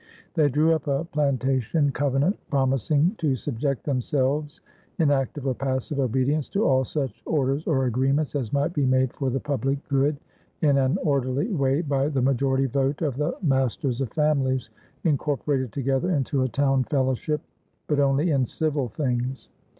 They drew up a plantation covenant, promising to subject themselves "in active or passive obedience to all such orders or agreements" as might be made for the public good in an orderly way by the majority vote of the masters of families, "incorporated together into a town fellowship," but "only in civill things."